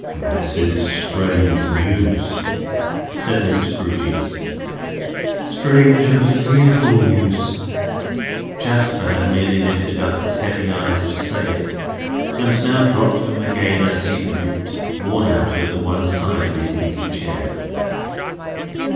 "This is strange news," said Mr. Grewgious. "Strange and fearful news." Jasper had merely lifted up his heavy eyes to say it, and now dropped them again as he drooped, worn out, over one side of his easy chair.